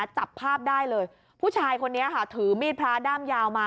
จับภาพได้เลยผู้ชายคนนี้ค่ะถือมีดพระด้ามยาวมา